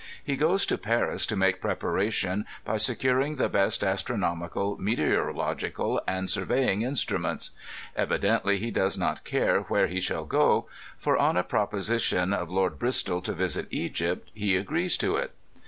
He goes to Paris to make preparation by securing the best astronomical, meteoro logical and surveying instruments. Evidently he does not care where he shall go, for on a proposition of Lord Bristol to visit Egypt he agrees to it.